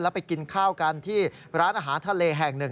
ไปกินข้าวกันที่ร้านอาหารทะเลแห่งหนึ่ง